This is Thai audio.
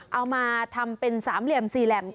เอามาทำเป็นสามเหลี่ยมสี่เหลี่ยม